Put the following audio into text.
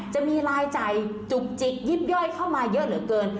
จะมีรายจ่ายจุกจิกยิบย่อยเข้ามาเยอะเหลือเกิน